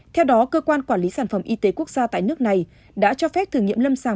theo đó cơ quan quản lý sản phẩm y tế quốc gia tại nước này đã cho phép thử nghiệm lâm sàng